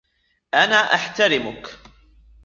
أنا احترمك.